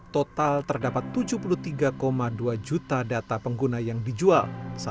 total terdapat tujuh puluh tiga dua juta data pengguna yang dijual